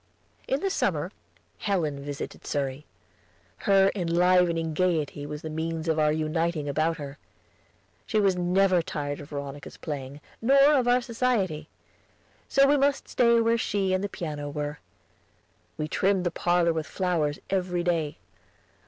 In the summer Helen visited Surrey. Her enlivening gayety was the means of our uniting about her. She was never tired of Veronica's playing, nor of our society; so we must stay where she and the piano were. We trimmed the parlor with flowers every day.